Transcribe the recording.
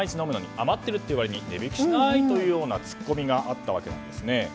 余っているという割に値引きしないというツッコミがあったんですね。